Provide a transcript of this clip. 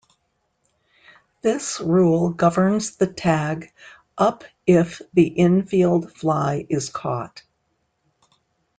This rule governs the tag up if the infield fly is caught.